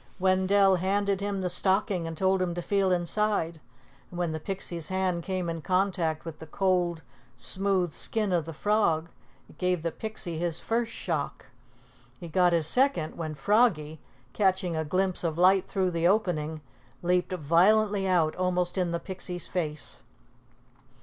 Wendell handed him the stocking and told him to feel inside, and when the Pixie's hand came in contact with the cold smooth skin of the frog, it gave the Pixie his first shock. He got his second when Froggy, catching a glimpse of light through the opening, leaped violently out, almost in the Pixie's face.